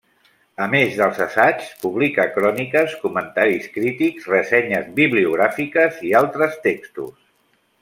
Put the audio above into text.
A més dels assaigs, publica cròniques, comentaris crítics, ressenyes bibliogràfiques i altres textos.